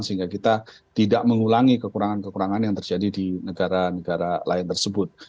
sehingga kita tidak mengulangi kekurangan kekurangan yang terjadi di negara negara lain tersebut